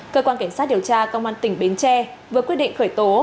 cơ quan cảnh sát điều tra công an tỉnh bến tre vừa quyết định khởi tố